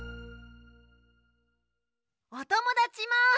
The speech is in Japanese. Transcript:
おともだちも。